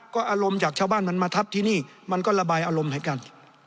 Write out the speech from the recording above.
ก็อารมณ์จากชาวบ้านมันมาทับที่นี่มันก็ระบายอารมณ์ให้กัน